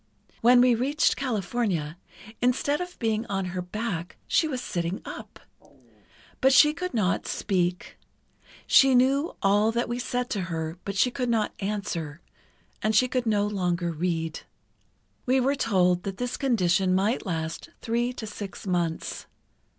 When we reached California, instead of being on her back, she was sitting up. But she could not speak—she knew all that we said to her, but she could not answer, and she could no longer read. We were told that this condition might last three to six months.